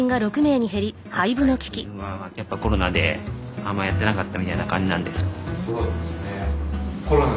あと最近はやっぱコロナであんまやってなかったみたいな感じなんで。